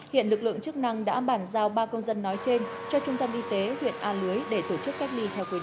hiện lực lượng chức năng đã bàn giao ba công dân nói trên cho trung tâm y tế huyện a lưới để tổ chức cách ly theo quy định